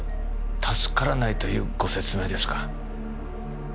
助からないというご説明ですか？